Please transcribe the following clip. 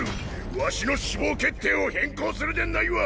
わしの死亡決定を変更するでないわ！